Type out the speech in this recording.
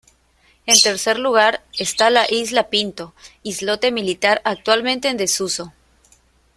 En tercer lugar está la isla Pinto, islote militar actualmente en desuso.